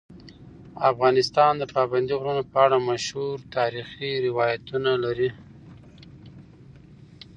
افغانستان د پابندی غرونه په اړه مشهور تاریخی روایتونه لري.